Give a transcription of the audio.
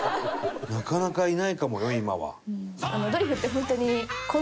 なかなかいないかもよ今は。